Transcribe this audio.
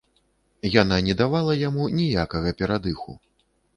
Яна не давала яму ніякага перадыху.